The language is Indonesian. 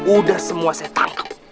udah semua saya tangkap